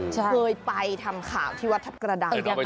เคยไปทำข่าวที่วัดธับกระดับ